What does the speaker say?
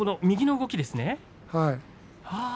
右の動きですね。